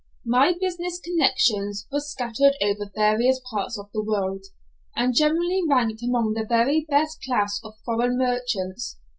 My business connections were scattered over various parts of the world, and generally ranked among the very best class of foreign merchants.